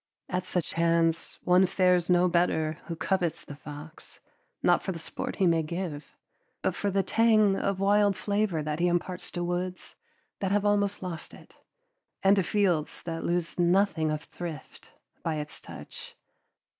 At such hands one fares no better who covets the fox, not for the sport he may give, but for the tang of wild flavor that he imparts to woods that have almost lost it and to fields that lose nothing of thrift by its touch.